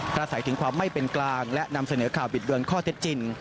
อาศัยถึงความไม่เป็นกลางและนำเสนอข่าวบิดเบือนข้อเท็จจริง